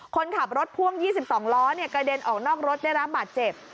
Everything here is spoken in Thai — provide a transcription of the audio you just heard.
คนขับรถพ่วง๒๒ล้อกระเด็นออกนอกรถได้รับบาดเจ็บ